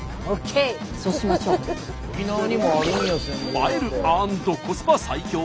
映える＆コスパ最強？